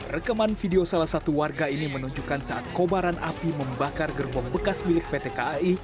rekaman video salah satu warga ini menunjukkan saat kobaran api membakar gerbong bekas milik pt kai